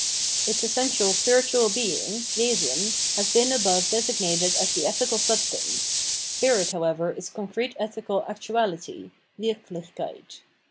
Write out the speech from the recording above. Its essential spirtual being {Wesen) has been above designated as the ethical substance ; spirit, however, is concrete ethical actuahty {WirUichkeit).